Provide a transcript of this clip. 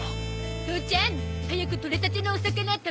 父ちゃん早くとれたてのお魚食べたいね！